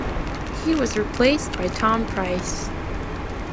He was replaced by Tom Pryce.